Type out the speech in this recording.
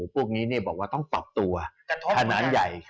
พวกนี้บอกว่าต้องปรับตัวขนาดใหญ่